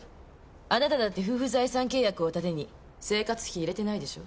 あなただって夫婦財産契約を盾に生活費入れてないでしょう？